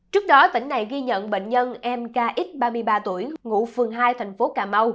trước đó tỉnh này ghi nhận bệnh nhân mk x ba mươi ba tuổi ngụ phường hai thành phố cà mau